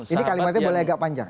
ini kalimatnya boleh agak panjang